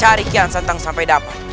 cari kian satang sampai dapat